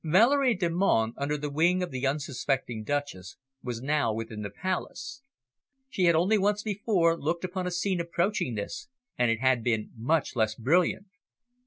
Valerie Delmonte, under the wing of the unsuspecting Duchess, was now within the Palace. She had only once before looked upon a scene approaching this, and it had been much less brilliant.